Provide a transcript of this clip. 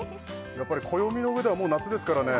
やっぱり暦の上ではもう夏ですからね